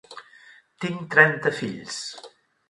Tinc trenta fills.